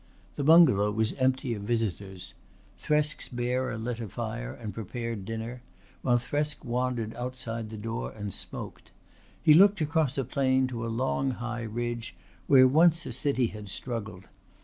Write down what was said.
The bungalow was empty of visitors. Thresk's bearer lit a fire and prepared dinner while Thresk wandered outside the door and smoked. He looked across a plain to a long high ridge, where once a city had struggled.